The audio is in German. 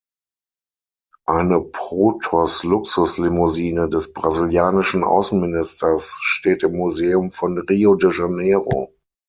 Eine Protos-Luxuslimousine des brasilianischen Außenministers steht im Museum von Rio de Janeiro.